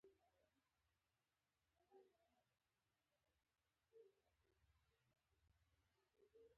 باکټریاوې او باکټریايي وارکیو په کې شامل دي.